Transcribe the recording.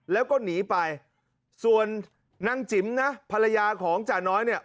แล้วก็หนีไปส่วนนางจิ๋มนะภรรยาของจ่าน้อยเนี่ย